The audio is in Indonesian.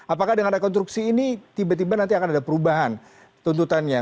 apakah dengan rekonstruksi ini tiba tiba nanti akan ada perubahan tuntutannya